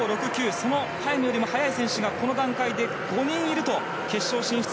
そのタイムよりも速い選手がこの段階で５人いると決勝進出